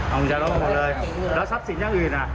เอามาหมดเลยแล้วซับสินย่างอื่นอะ